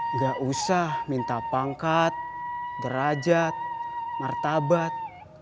nggak usah minta pangkat derajat martabat